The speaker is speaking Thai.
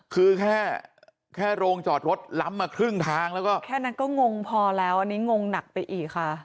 คือแค่แค่โรงจอดรถล้ำมาครึ่งทางแล้วก็แค่นั้นก็งงพอแล้วอันนี้งงหนักไปอีกค่ะ